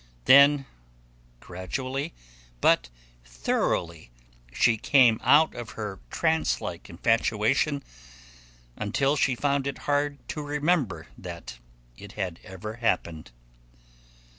Then, gradually but thoroughly, she came out of her trancelike infatuation, until she found it hard to remember that it had ever happened.